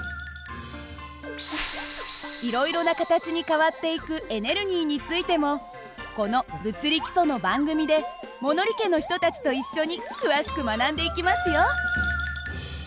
いろいろな形に変わっていくエネルギーについてもこの「物理基礎」の番組で物理家の人たちと一緒に詳しく学んでいきますよ。